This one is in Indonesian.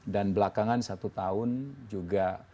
dan belakangan satu tahun juga